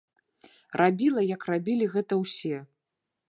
Рабіла, як рабілі гэта ўсе.